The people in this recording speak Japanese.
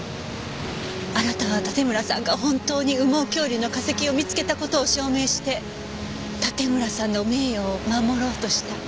あなたは盾村さんが本当に羽毛恐竜の化石を見つけた事を証明して盾村さんの名誉を守ろうとした。